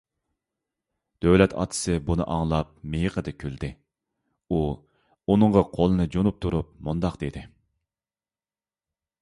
دۆلەت ئاتىسى بۇنى ئاڭلاپ مىيىقىدا كۈلدى. ئۇ ئۇنىڭغا قولىنى جۇنۇپ تۇرۇپ مۇنداق دېدى: